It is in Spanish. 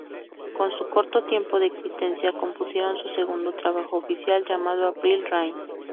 Con su corto tiempo de existencia compusieron su segundo trabajo oficial llamado April Rain.